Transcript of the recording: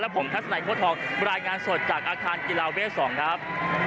ผมทัศนัยโค้ดทองรายงานสดจากอาคารกีฬาเวท๒ครับ